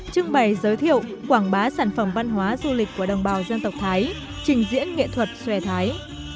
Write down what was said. trưng bày giới thiệu quảng bá sản phẩm văn hóa du lịch của đồng bào dân tộc thái trình diễn nghệ thuật xòe thái